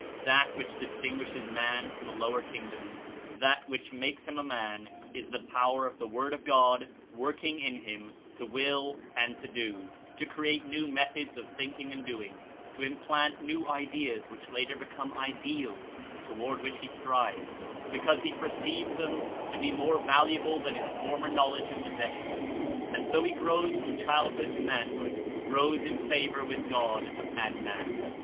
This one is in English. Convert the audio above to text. That which distinguishes man from the lower king doms, that which makes him a man, Is the power of the Word of God working in him to will and to do, to create new methods of thinking and doing, to im plant new Ideas which later become Ideals toward which he strives, because he perceives them to be more 21 valuable than his former knowledges and possessions, and so he grows from childhood to manhood, grows in favor with God and man.